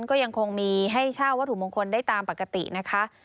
ก็ยังคงมีให้เช่าวัตถุมงคลได้ตามปกตินะคะ